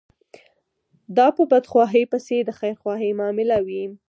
دا به په بدخواهي پسې د خيرخواهي معامله وي.